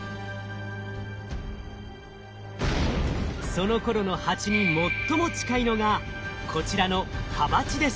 そのころのハチに最も近いのがこちらのハバチです。